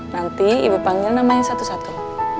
nanti ibu panggil namanya satu satu